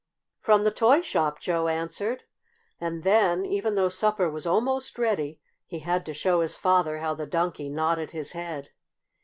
"From the toy shop," Joe answered, and then, even though supper was almost ready, he had to show his father how the Donkey nodded his head.